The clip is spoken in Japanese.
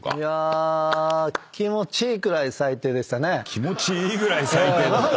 気持ちいいぐらい最低だった。